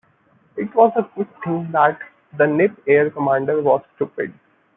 It was a good thing that the Nip air commander was stupid.